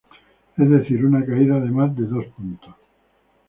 Es decir una caída de más de dos puntos.